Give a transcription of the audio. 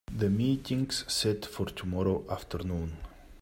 The meeting's set for tomorrow afternoon.